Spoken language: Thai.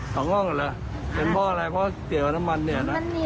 ของขายไม่ดี